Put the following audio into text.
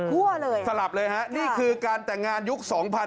ทั่วเลยสลับเลยฮะนี่คือการแต่งงานยุค๒๕๖๒